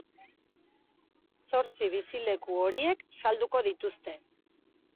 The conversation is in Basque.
Zortzi bizileku horiek salduko dituzte.